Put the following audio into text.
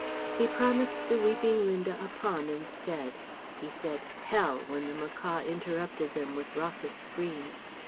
He promised the weeping Linda a Pom instead; he said "Hell!" when the macaw interrupted them with raucous screams.